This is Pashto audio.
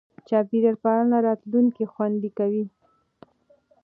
چاپېریال پالنه راتلونکی خوندي کوي.